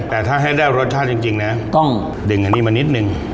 แต่ถ้าให้ได้รสชาติจริงนะต้องดึงอันนี้มานิดนึง